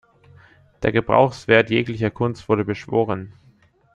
Der „Gebrauchswert“ jeglicher Kunst wurde beschworen.